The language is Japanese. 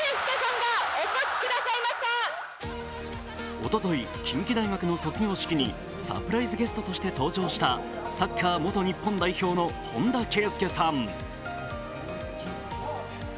おととい、近畿大学の卒業式にサプライズゲストとして登場したサッカー元日本代表の本田圭佑さん。